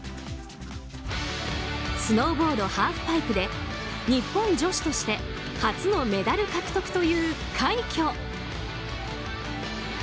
スノーボード・ハーフパイプで日本女子として初のメダル獲得という快挙。